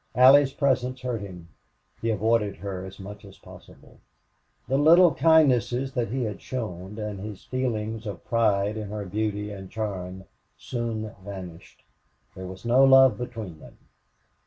Allie's presence hurt him; he avoided her as much as possible; the little kindnesses that he had shown, and his feelings of pride in her beauty and charm, soon vanished. There was no love between them.